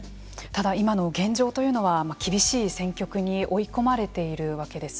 ただ今の現状というのは厳しい戦局に置い込まれているわけです。